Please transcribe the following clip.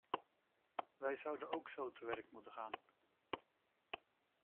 Wij zouden ook zo te werk moeten gaan.